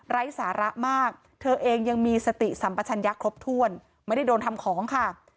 สาระมากเธอเองยังมีสติสัมปชัญญะครบถ้วนไม่ได้โดนทำของค่ะ